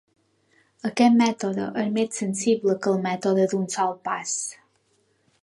Aquest mètode és més sensible que el mètode d'un sol pas.